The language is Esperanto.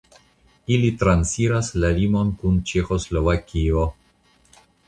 Ili transiras la limon kun Ĉeĥoslovakio.